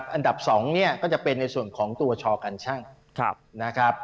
อันดับ๒เนี่ยก็จะเป็นในส่วนของตัวชอการชั่งนะครับ